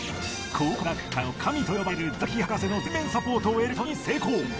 考古学界の神と呼ばれるザヒ博士の全面サポートを得ることに成功。